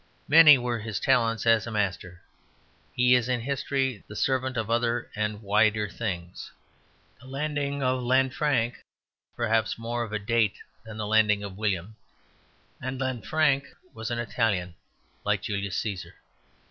Many as were his talents as a master, he is in history the servant of other and wider things. The landing of Lanfranc is perhaps more of a date than the landing of William. And Lanfranc was an Italian like Julius Cæsar.